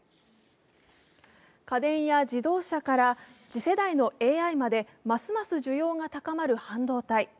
家電や自動車から次世代のＡＩまでますます需要が高まる半導体。